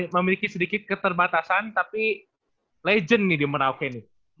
memiliki sedikit keterbatasan tapi legend nih di merauke nih